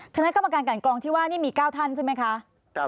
คณะกรรมการกันกรองที่ว่านี่มี๙ท่านใช่ไหมคะ